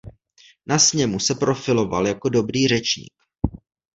Na sněmu se profiloval jako dobrý řečník.